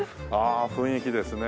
あ雰囲気ですね。